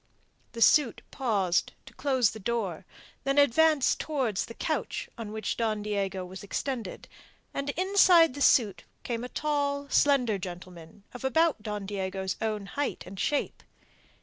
The suit paused to close the door, then advanced towards the couch on which Don Diego was extended, and inside the suit came a tall, slender gentleman of about Don Diego's own height and shape.